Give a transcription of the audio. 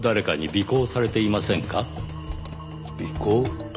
尾行？